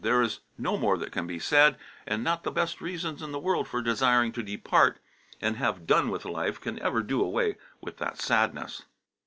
There is no more that can be said, and not the best reasons in the world for desiring to depart and have done with life can ever do away with that sadness.